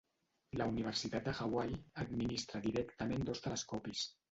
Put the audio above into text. La Universitat de Hawaii administra directament dos telescopis.